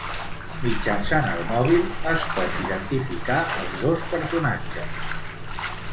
Mitjançant el mòbil es pot identificar als dos personatges.